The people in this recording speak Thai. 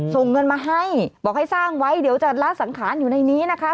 ส่งเงินมาให้บอกให้สร้างไว้เดี๋ยวจะละสังขารอยู่ในนี้นะคะ